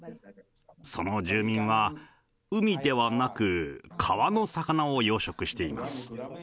その住民は海ではなく、川の魚を養殖しています。